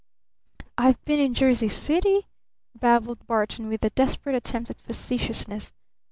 "I've been in Jersey City," babbled Barton with a desperate attempt at facetiousness.